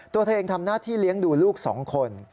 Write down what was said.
ตัวเธอเองทำหน้าที่เลี้ยงดูลูก๒คน